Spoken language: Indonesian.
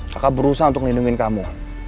kakak berusaha untuk nindungin kamu